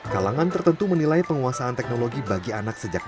kalangan tertentu menilai penguasaan teknologi bagi anak sejak